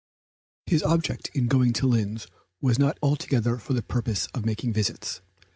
His object in going to Linz was not altogether for the purpose of making visits.